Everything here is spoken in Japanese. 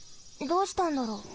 どうしたんだろう。